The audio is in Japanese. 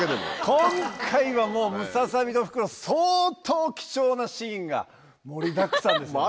今回はもうムササビとフクロウ相当貴重なシーンが盛りだくさんですんで。